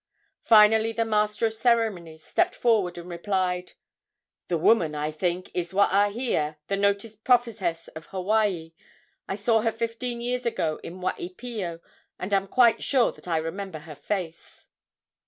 Finally the master of ceremonies stepped forward and replied: "The woman, I think, is Waahia, the noted prophetess of Hawaii. I saw her fifteen years ago in Waipio, and am quite sure that I remember her face."